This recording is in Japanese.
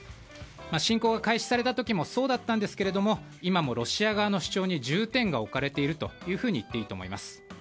侵攻が開始された時もそうだったんですけれども今もロシア側の主張に重点が置かれているというふうにいっていいと思います。